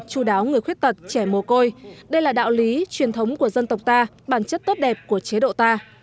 chú đáo người khuyết tật trẻ mồ côi đây là đạo lý truyền thống của dân tộc ta bản chất tốt đẹp của chế độ ta